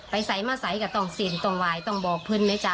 ไปใส่มาใส่ก็ต้องสินต้องวายต้องบอกเพื่อนไหมจ้ะ